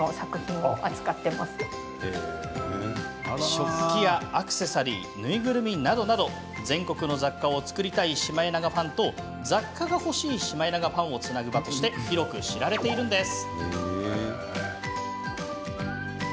食器やアクセサリー縫いぐるみなどなど全国の雑貨を作りたいシマエナガファンと雑貨が欲しいファンとをつなぐ場として広く知られています。